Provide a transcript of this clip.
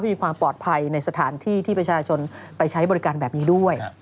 มีความปลอดภัยในสถานที่ที่ประชาชนไปใช้บริการแบบนี้ด้วย